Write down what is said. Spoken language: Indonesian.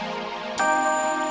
saya sadar naik